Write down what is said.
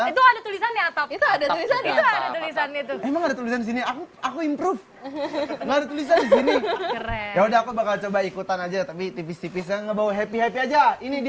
itu ada tulisannya atap itu ada tulisan itu tulisan itu aku aku improve tulisan disini ya udah aku bakal coba ikutan aja tapi tipis tipisnya ngebawa happy